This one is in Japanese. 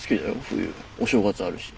冬お正月あるし。